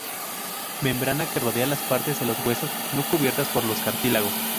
Membrana que rodea las partes de los huesos no cubiertas por los cartílagos.